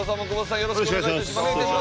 よろしくお願いします！